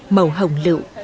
màu hồng lựu